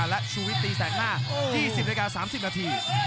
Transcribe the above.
และชูวิตตีแสกหน้า๒๐นาที๓๐นาที